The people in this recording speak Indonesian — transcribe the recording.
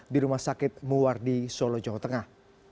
di rumah sakit muwardi solo jawa tengah